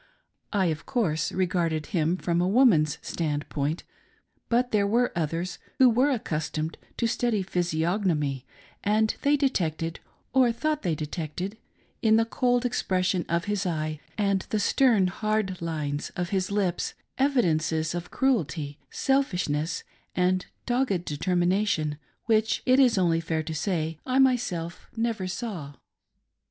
I, of course, regarded him from a woman's stand point ; but there were others who were accustomed to study physiognomy, and they detected — or, thought they detected — in the cold expression of his eye and the stern, hard lines of his lips, evidences of cruelty, selfish ness, and dogged determination which, it is only fair to say, I ■ myself never saw.